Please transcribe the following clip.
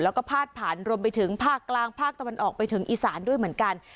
แล้วก็พาดผ่านรวมไปถึงภาคกลางภาคตะวันออกไปถึงอีสานด้วยเหมือนกัน